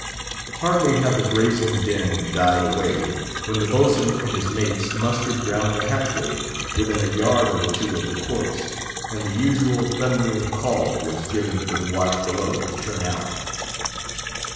Hardly had the brazen din died away, when the Boatswain and his mates mustered round the hatchway, within a yard or two of the corpse, and the usual thundering call was given for the watch below to turn out.